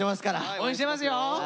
応援してますよ！